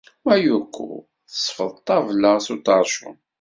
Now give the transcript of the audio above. Mayuko tesfeḍ ṭṭabla s uṭercun.